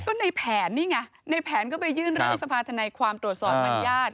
ก็ในแผนนี่ไงในแผนก็ไปยื่นเรื่องสภาธนายความตรวจสอบมัญญาติ